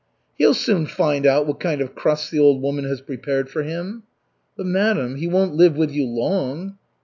'" "He'll soon find out what kind of crusts the old woman has prepared for him." "But, madam, he won't live with you long."